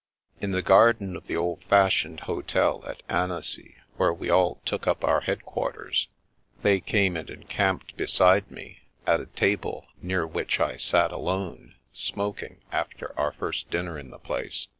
In the garden of the old fashioned hotd at Annecy where we all took up our headquarters, they came and encamped beside me, at a table near whidi I sat alone, smoking, after our first dinner in the place.